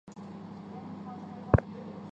专辑中也收录了几首韩版歌曲。